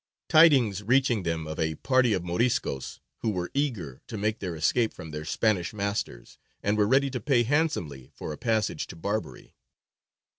Tidings reaching them of a party of Moriscos who were eager to make their escape from their Spanish masters, and were ready to pay handsomely for a passage to Barbary.